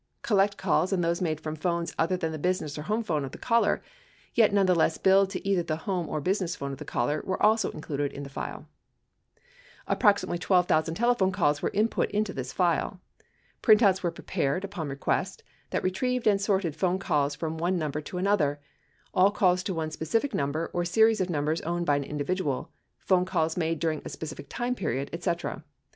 Collect calls and those made from phones other than the business or home phone of the caller, yet nonetheless billed to either the home or business phone of the caller, were also included in the file. Approximately 12,000 telephone calls were input into this file. Printouts were prepared, upon request, that retrieved and sorted phone calls from one number to another, all calls to one specific number or series of numbers owned by an individual, phone calls made during a specific time period, et cetera.